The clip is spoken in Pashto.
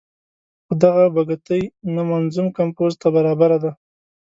خو دغه بګتۍ نه منظوم کمپوز ته برابره ده.